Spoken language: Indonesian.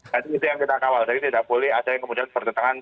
jadi itu yang kita kawal jadi tidak boleh ada yang kemudian bertentangan